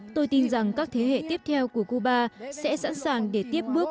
tôi tin rằng các thế hệ tiếp theo của cuba sẽ sẵn sàng để tiếp bước